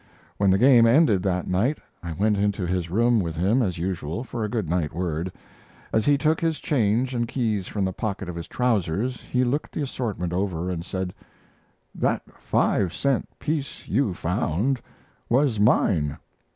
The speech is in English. When the game ended that night I went into his room with him, as usual, for a good night word. As he took his change and keys from the pocket of his trousers, he looked the assortment over and said: "That five cent piece you found was mine."